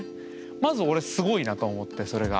まず俺すごいなと思ってそれが。